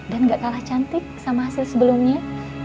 dan gak kalah cantik sama hasil sebelumnya